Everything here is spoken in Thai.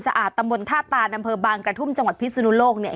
อาจตำบลท่าตานอำเภอบางกระทุ่มจังหวัดพิศนุโลกเนี่ย